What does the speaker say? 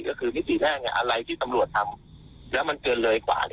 ก็คือวิธีแรกอะไรที่ตำรวจทำแล้วมันเกินเลยกว่า